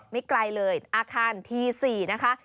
ไม่ไกลเลยอาคารที๔นะคะ